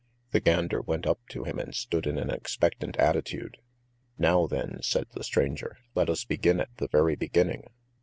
The gander went up to him and stood in an expectant attitude. "Now then," said the stranger, "let us begin at the very beginning.